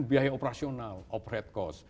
memurahkan biaya operasional operat kos